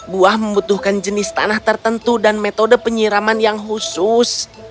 buah membutuhkan jenis tanah tertentu dan metode penyiraman yang khusus